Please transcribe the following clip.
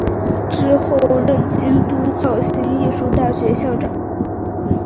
之后任京都造形艺术大学校长。